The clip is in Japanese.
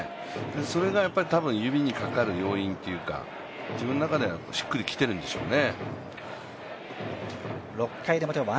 それが多分、指にかかる要因というか、自分の中ではしっくりきてるんでしょうね。